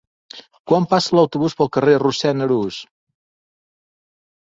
Quan passa l'autobús pel carrer Rossend Arús?